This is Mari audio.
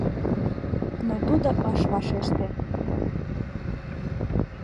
Но тудо ыш вашеште.